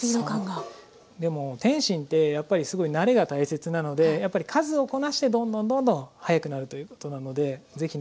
でも点心ってやっぱりすごい慣れが大切なのでやっぱり数をこなしてどんどんどんどん速くなるということなので是非ね